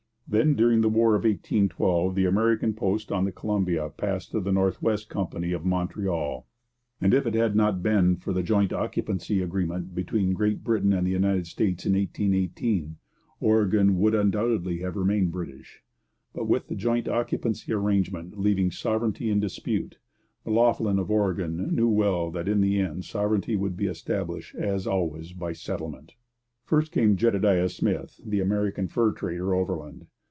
Then during the War of 1812 the American post on the Columbia passed to the North West Company of Montreal; and if it had not been for the 'joint occupancy' agreement between Great Britain and the United States in 1818, Oregon would undoubtedly have remained British. But with the 'joint occupancy' arrangement leaving sovereignty in dispute, M'Loughlin of Oregon knew well that in the end sovereignty would be established, as always, by settlement. First came Jedediah Smith, the American fur trader, overland.